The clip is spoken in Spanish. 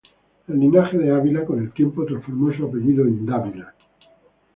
El linaje de Ávila con el tiempo transformó su apellido en Dávila.